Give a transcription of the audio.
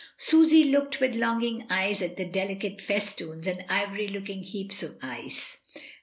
Susy looked with longing eyes at the deli cate festoons and ivory looking heaps of lace.